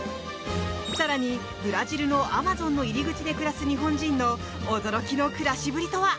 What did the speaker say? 更にブラジルのアマゾンの入り口で暮らす日本人の驚きの暮らしぶりとは。